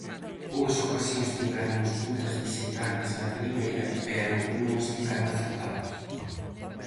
Boas ocasións tiveron os puntas visitantes na primeira pero non estiveron acertados.